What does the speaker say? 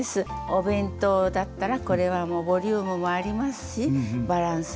お弁当だったらこれはボリュームもありますしバランスもよろしいの。